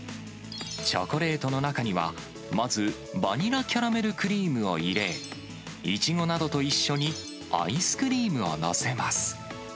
チョコレートの中には、まず、バニラキャラメルクリームを入れ、いちごなどと一緒にアイスクリームを載せます。